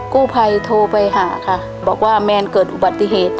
กู้ภัยโทรไปหาค่ะบอกว่าแมนเกิดอุบัติเหตุ